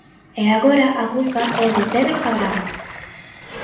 E agora a culpa é de Pedro Cadrado.